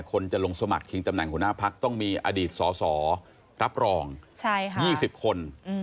คนจะลงสมัครชิงตำแหน่งหัวหน้าพักต้องมีอดีตสสรับรอง๒๐คน